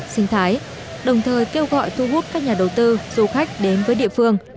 sinh thái đồng thời kêu gọi thu hút các nhà đầu tư du khách đến với địa phương